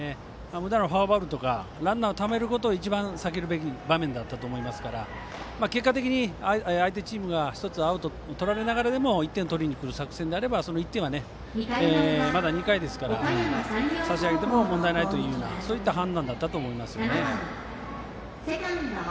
むだなフォアボールとかランナーをためることが一番避けるべき場面だったと思いますから結果的に、相手チームが１つアウトとられながらでも１点取りにくる作戦ならその１点は、まだ２回ですから差し上げても問題ないというそういった判断だったと思います。